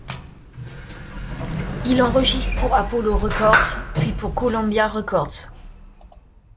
Il enregistre pour Apollo Records, puis pour Columbia Records.